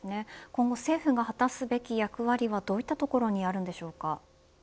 今後、政府が果たすべき役割はどういったところにあるのでしょうか。